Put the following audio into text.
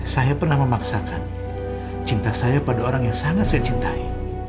saya pernah memaksakan cinta saya pada orang yang sangat saya cintai